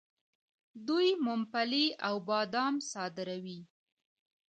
دوی ممپلی او بادام صادروي.